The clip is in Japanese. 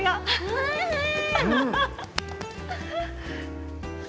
おいしい。